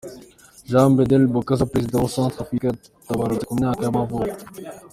Jean-Bédel Bokassa, perezida wa wa Centre-Africa yaratabarutse, ku myaka y’amavuko.